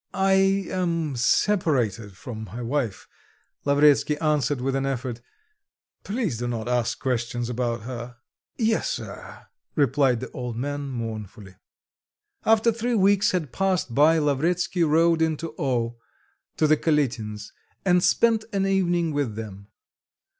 "I am separated from my wife," Lavretsky answered with an effort, "please do not ask questions about her." "Yes, sir," replied the old man mournfully. After three weeks had passed by, Lavretsky rode into O to the Kalitins, and spent an evening with them.